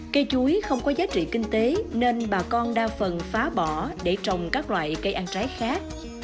cây chuối không có giá trị kinh tế nên bà con đa phần phá bỏ để trồng các loại cây ăn trái khác